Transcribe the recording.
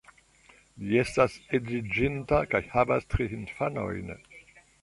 Li estas edziĝinta kaj havas tri infanojn.